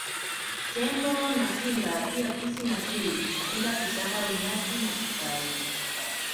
Tembo na Simba pia Fisi na chui bila kusahau Nyati na Kifaru